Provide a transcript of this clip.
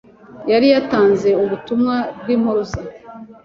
yari yatanze ubutumwa bw'impuruza